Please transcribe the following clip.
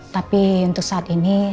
tapi untuk saat ini